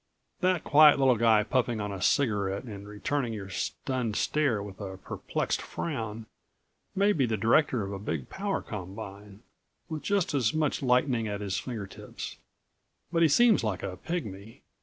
That quiet little guy puffing on a cigarette and returning your stunned stare with a perplexed frown may be the director of a big power combine, with just as much lightning at his finger tips. But he seems like a pygmy.